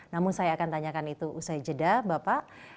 namun saya akan tanyakan itu usai jeda bapak